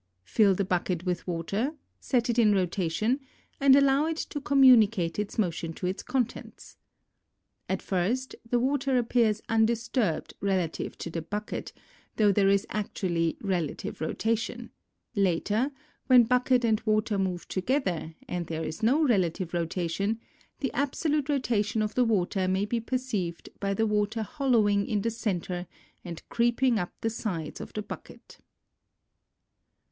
Fill the bucket with water, set it in rotation and allow it to communicate its motion to its contents. At first the water appears undisturbed relative to the bucket though there is actually relative rotation ; later, when bucket and water move together and there is no relative rotation, the absolute rotation of the water may be perceived by the water hollowing in the centre and creeping up the sides of the bucket.